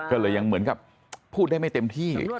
ก็เลยยังเหมือนกับพูดได้ไม่เต็มที่